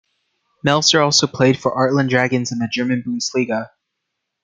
Melzer also played for Artland Dragons in the German Bundesliga.